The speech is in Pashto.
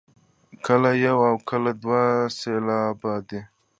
کله یو او کله دوه سېلابه دی.